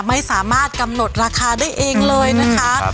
ไม่สามารถกำหนดราคาได้เองเลยนะคะ